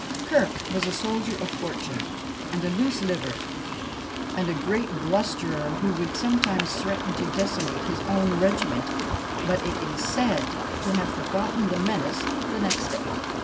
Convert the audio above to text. Kirk was a soldier of fortune, and a loose liver, and a great blusterer, who would sometimes threaten to decimate his own regiment, but is said to have forgotten the menace the next day.